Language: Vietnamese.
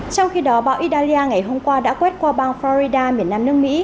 trong khi đó bão italia ngày hôm qua đã quét qua bang florida miền nam nước mỹ